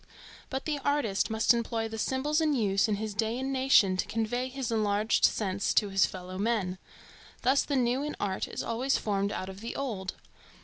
But the artist must employ the symbols in use in his day and nation to convey his enlarged sense to his fellow men. Thus the new in art is always formed out of the old.